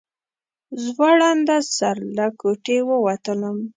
زوړنده سر له کوټې ووتلم.